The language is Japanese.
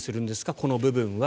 この部分は。